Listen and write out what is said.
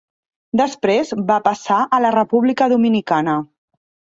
Després va passar a la República Dominicana.